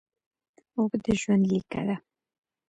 اوبه د ژوند لیکه ده